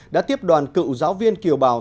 đã tiếp đoàn cựu giáo viên kiều bào